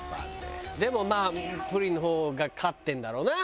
でもまあプリンの方が勝ってるんだろうな。